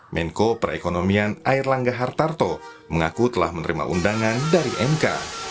menko perekonomian air langga hartarto mengaku telah menerima undangan dari mk